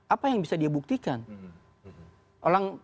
apa yang bisa dia buktikan